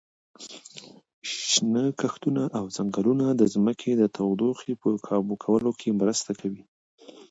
شنه کښتونه او ځنګلونه د ځمکې د تودوخې په کابو کولو کې مرسته کوي.